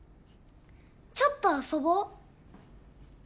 ちょっと遊ぼう。